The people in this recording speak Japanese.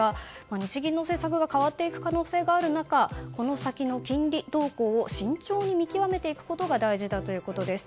日銀の政策が変わっていく可能性がある中この先の金利動向を慎重に見極めていくことが大事だということです。